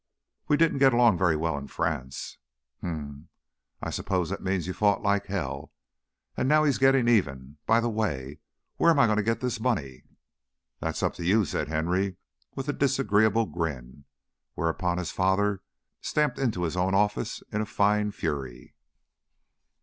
"We didn't get along very well in France." "Humph! I suppose that means you fought like hell. And now he's getting even. By the way, where am I going to get this money?" "That is up to you," said Henry, with a disagreeable grin, whereupon his father stamped into his own office in a fine fury.